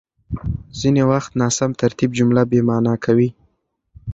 ځينې وخت ناسم ترتيب جمله بېمعنا کوي.